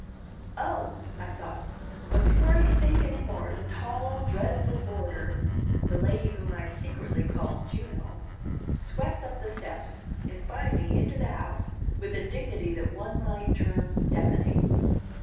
"Oh!" I thought; but, before I could think any more, the tall, dreadful boarder the lady whom I secretly called Juno swept up the steps, and by me into the house, with a dignity that one might term deafening.